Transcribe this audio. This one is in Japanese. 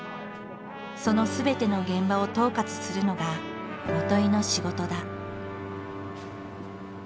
そのすべての現場を統括するのが元井の仕事だ。